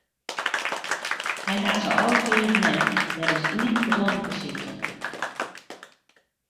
Hy hat se alle fiif net, der is ien te blomkesykjen.